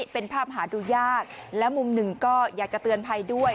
เป็นภาพหาดูยากและมุมหนึ่งก็อยากจะเตือนภัยด้วย